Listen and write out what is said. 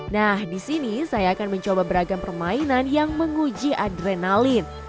nah di sini saya akan mencoba beragam permainan yang menguji adrenalin